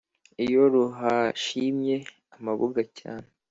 Iyo ruhashimye amabuga cyane